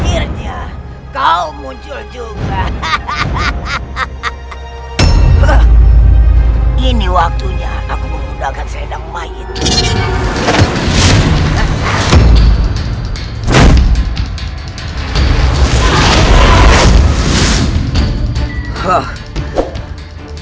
ini waktunya aku menggunakan serendang mayit